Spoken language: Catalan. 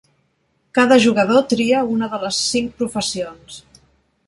Cada jugador tria una de les cinc professions.